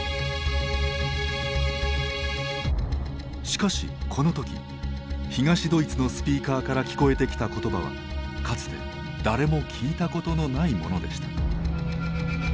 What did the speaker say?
しかしこの時東ドイツのスピーカーから聞こえてきた言葉はかつて誰も聞いたことのないものでした。